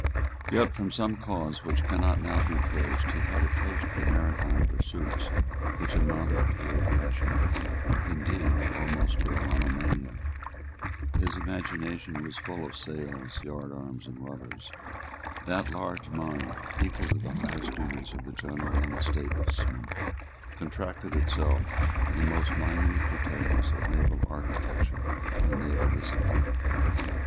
Yet, from some cause which cannot now be traced, he had a taste for maritime pursuits which amounted to a passion, indeed almost to a monomania. His imagination was full of sails, yardarms, and rudders. That large mind, equal to the highest duties of the general and the statesman, contracted itself to the most minute details of naval architecture and naval discipline.